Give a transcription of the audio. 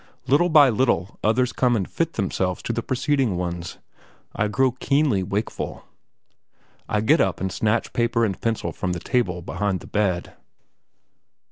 Little by little others come and fit themselves to the preceding ones. I grow keenly wakeful. I get up and snatch paper and pencil from the table behind my bed.